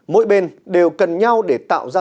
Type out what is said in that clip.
mỗi bên đều cần nhau để tạo ra